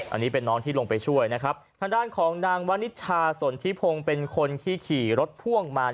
อันนี้เป็นน้องที่ลงไปช่วยนะครับทางด้านของนางวันนิชชาสนทิพงศ์เป็นคนที่ขี่รถพ่วงมา